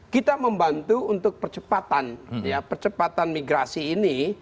kita membantu untuk percepatan ya percepatan migrasi ini